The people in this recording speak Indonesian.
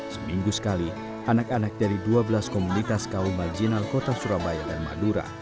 seminggu sekali anak anak dari dua belas komunitas kaum marginal kota surabaya dan madura